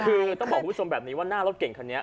คือต้องบอกคุณผู้ชมแบบนี้ว่าหน้ารถเก่งคันนี้